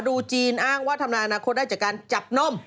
ดูจีนอ้างว่าทำนายอนาคตได้จากการจับนม